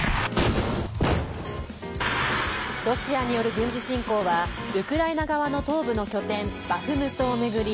ロシアによる軍事侵攻はウクライナ側の東部の拠点バフムトを巡り